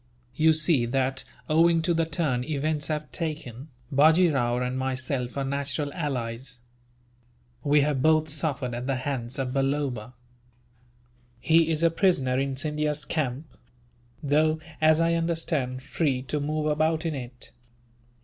You see that, owing to the turn events have taken, Bajee Rao and myself are natural allies. We have both suffered at the hands of Balloba. He is a prisoner in Scindia's camp; though, as I understand, free to move about in it.